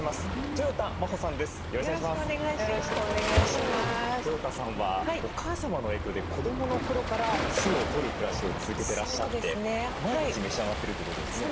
とよたさんはお母様の影響で子どもの頃から酢をとる暮らしを続けてらっしゃって毎日召し上がってるということですね。